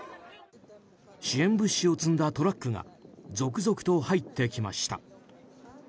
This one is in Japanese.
支援物資を積んだトラックが続々と入ってきました。